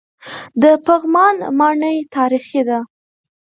د پغمان ماڼۍ تاریخي ده